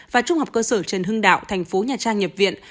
và trung học cơ sở trần hưng đạo thành phố nhà trang nhập viện